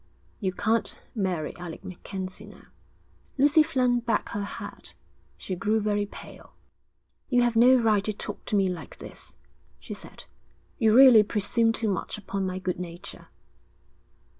'You can't marry Alec MacKenzie now.' Lucy flung back her head. She grew very pale. 'You have no right to talk to me like this,' she said. 'You really presume too much upon my good nature.'